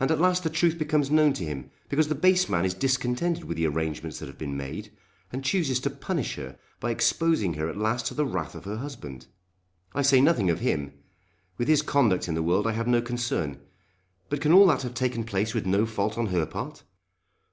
And at last the truth becomes known to him because the base man is discontented with the arrangements that have been made, and chooses to punish her by exposing her at last to the wrath of her husband! I say nothing of him. With his conduct in the world I have no concern. But can all that have taken place with no fault on her part?